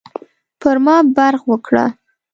پر ما برغ وکړه.